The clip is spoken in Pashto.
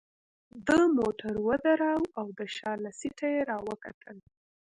ده موټر ودراوه او د شا له سیټه يې راوکتل.